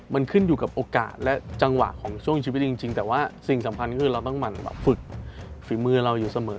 มันขึ้นอยู่กับโอกาสและจังหวะของช่วงชีวิตจริงแต่ว่าสิ่งสำคัญคือเราต้องฝึกฝีมือเราอยู่เสมอ